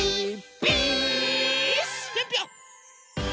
ぴょんぴょん！